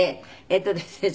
えっとですね